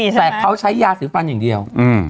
แต่เขาใช้ยาสีฟันอย่างเดียว